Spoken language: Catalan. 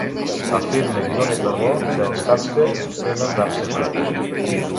Afirme i done per bo que els hàmster venen d'Amsterdam.